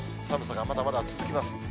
寒さがまだまだ続きます。